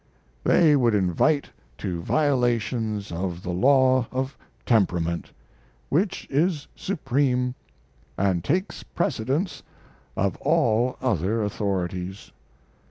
They would invite to violations of the law of temperament, which is supreme, and takes precedence of all other authorities.